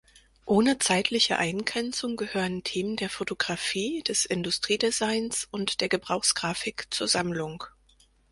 Ohne zeitliche Eingrenzung gehören Themen der Fotografie, des Industriedesigns und der Gebrauchsgrafik zur Sammlung.